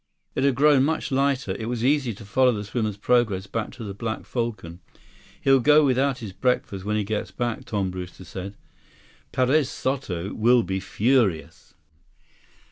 It had grown much lighter. It was easy to follow the swimmer's progress back to the Black Falcon. "He'll go without his breakfast when he gets back," Tom Brewster said. "Perez Soto will be furious."